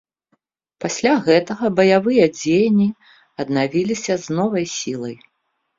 Пасля гэтага баявыя дзеянні аднавіліся з новай сілай.